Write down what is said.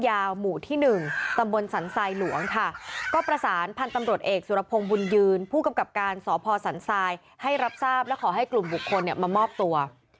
ผู้กำกับการสศสันทรายให้รับทราบและขอให้กลุ่มบุคคลมามอบตัว